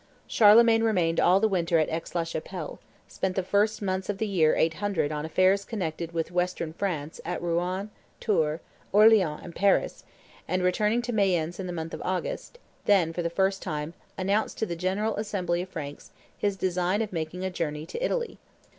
Charlemagne remained all the winter at Aix la Chapelle, spent the first months of the year 800 on affairs connected with Western France, at Rouen, Tours, Orleans, and Paris, and, returning to Mayence in the month of August, then for the first time announced to the general assembly of Franks his design of making a journey to Italy.